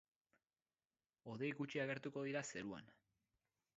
Hodei gutxi agertuko dira zeruan.